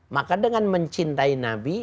maka dengan mencintai nabi